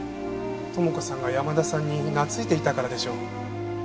友子さんが山田さんに懐いていたからでしょう。